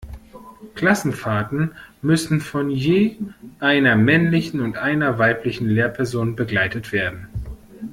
Klassenfahrten müssen von je einer männlichen und einer weiblichen Lehrperson begleitet werden.